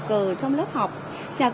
trong lớp học